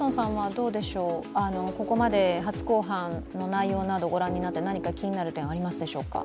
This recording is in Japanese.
ここまで初公判の内容などご覧になって、何か気になる点などありますか。